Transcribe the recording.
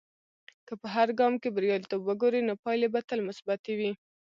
که په هر ګام کې بریالیتوب وګورې، نو پایلې به تل مثبتي وي.